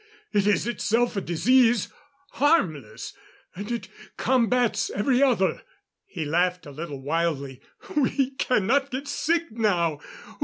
It is itself a disease harmless and it combats every other." He laughed a little wildly. "We cannot get sick now.